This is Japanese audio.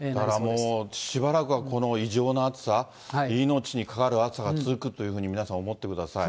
だからもう、しばらくはこの異常な暑さ、命にかかわる暑さが続くというふうに皆さん思ってください。